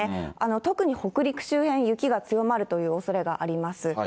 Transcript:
特に北陸周辺、雪が強まるというおそれがあります。